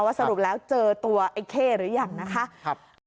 สรุปแล้วเจอตัวไอ้เข้หรือยังนะคะ